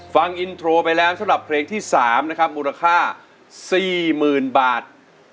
ฟังอินโทรไปแล้วสำหรับเพลงที่๓นะครับมูลค่า๔๐๐๐บาท